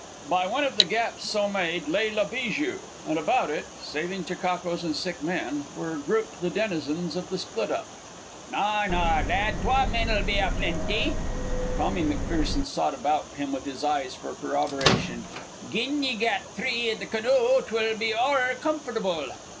By one of the gaps so made lay La Bijou, and about it, saving chechaquos and sick men, were grouped the denizens of Split up. "Na, na, lad; twa men'll be a plenty." Tommy McPherson sought about him with his eyes for corroboration. "Gin ye gat three i' the canoe 'twill be ower comfortable."